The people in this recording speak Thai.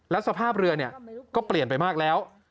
สภาพเรือก็เปลี่ยนไปมากแล้ว